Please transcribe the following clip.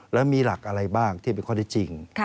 แล้วมีหลักอะไรบ้างที่เป็นข้อได้จริง